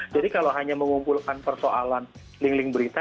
jadi kalau hanya mengumpulkan persoalan link link berita